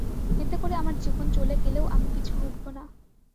এতে করে আমার জীবন চলে গেলেও আমি পিছু হটবো না।